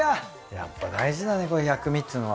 やっぱ大事だねこういう薬味っていうのは。